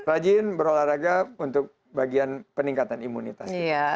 rajin berolahraga untuk bagian peningkatan imunitas